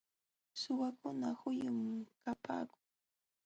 Suwakuna huyum kapaakun.